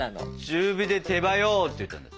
「中火で手早う！」って言ったの。